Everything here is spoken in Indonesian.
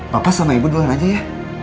bapak sama ibu duluan aja ya